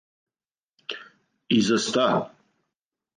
И за ста?